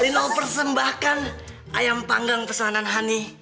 lino persembahkan ayam panggang pesanan hani